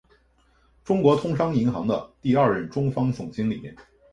中国通商银行的第二任中方总经理。